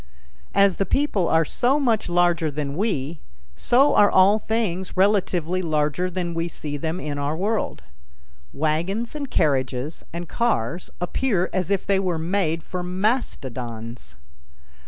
As the people are so much larger than we, so are all things relatively larger than we see them in our world. Wagons and carriages and cars appear as if they were made for mastodons.